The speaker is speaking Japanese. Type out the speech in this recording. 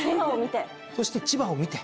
そして千葉を見て。